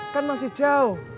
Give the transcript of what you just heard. kan masih jauh